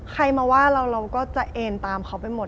ใครมาว่าเราเราก็จะเอ็นตามเขาไปหมด